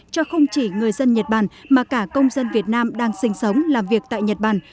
cho không chỉ người dân nhật bản mà cả công dân việt nam đang sinh sống làm việc tại nhật bản